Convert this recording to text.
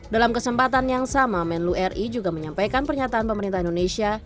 dalam kesempatan yang sama menlu ri juga menyampaikan pernyataan pemerintah indonesia